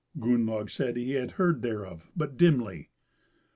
Gunnlaug said he had heard thereof but dimly.